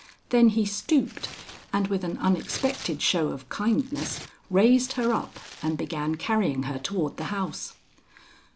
Then he stooped, and with an unexpected show of kindness raised her up and began carrying her toward the house.